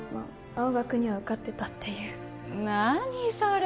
青学には受かってたっていう何それ？